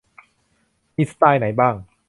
มีสไตล์ไหนบ้าง